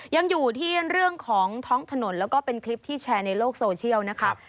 ยังอยู่ที่เรื่องของท้องถนนแล้วก็เป็นคลิปที่แชร์ในโลกโซเชียลนะครับ